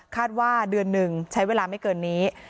ว่าเดือนหนึ่งใช้เวลาไม่เกินนี้